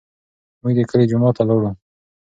موږ د کلي جومات ته لاړو.